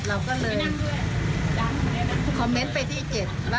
เราก็เลยคอมเมนต์ไปที่เจ็ดแล้วก็